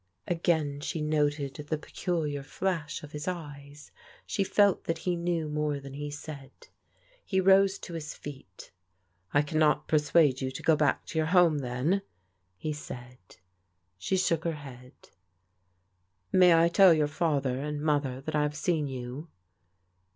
Again she noted the peculiar flash of his eyes. She felt that he knew more than he said. He rose to his feet " I cannot peisu^tAfc ^om \.o ^ «3cfr to your borne, then ?" he said. 254 PRODIGAL DAUGHTERS She shook her head. " May I tell your father and mother that I have seen you?"